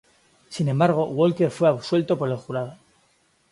Sin embargo, Walker fue absuelto por el jurado.